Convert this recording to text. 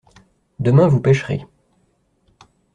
Demain vous pêcherez.